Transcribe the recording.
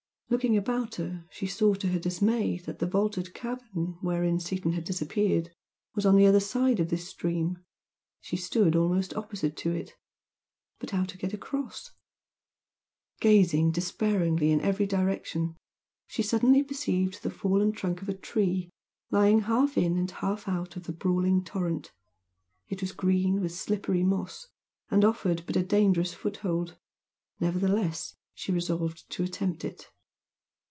Looking about her she saw to her dismay that the vaulted cavern wherein Seaton had disappeared was on the other side of this stream she stood almost opposite to it but how to get across? Gazing despairingly in every direction she suddenly perceived the fallen trunk of a tree lying half in and half out of the brawling torrent it was green with slippery moss and offered but a dangerous foothold, nevertheless she resolved to attempt it.